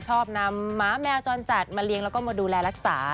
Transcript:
ชอบนำหมาแมวจรจัดมาเลี้ยงแล้วก็มาดูแลรักษา